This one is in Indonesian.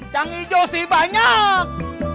cang ijo sih banyak